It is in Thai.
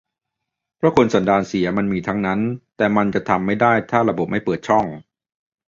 เพราะคนสันดานเสียมันมีทั้งนั้น แต่มันจะทำไม่ได้ถ้าระบบไม่เปิดช่อง